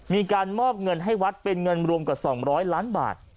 มีการมอบเงินให้วัดเป็นเงินรวมกว่า๒๐๐ล้านบาท